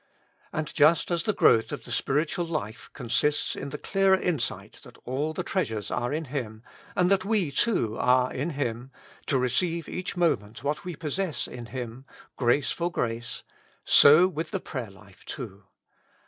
And just as the growth of the spiritual life consists in the clearer in sight that all the treasures are in Him, and that we too are ifi Him, to receive each moment what we possess in Him, grace for grace, so with the prayer life too.